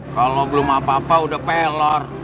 kalau belum apa apa udah pelor